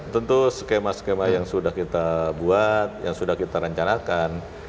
tentu skema skema yang sudah kita buat yang sudah kita rencanakan